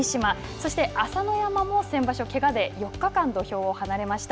そして、朝乃山も先場所、けがで４日間土俵を離れました。